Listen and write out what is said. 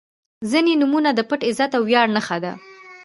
• ځینې نومونه د پت، عزت او ویاړ نښه ده.